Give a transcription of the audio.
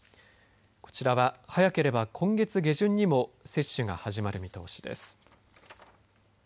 こちらは早ければ今月下旬にも接種が始まる見通しです。